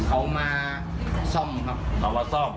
เขามาซ่อมครับ